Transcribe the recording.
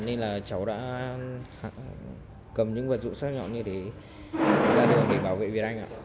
nên là cháu đã cầm những vật dụng rào nhọn như thế ra đường để bảo vệ việt anh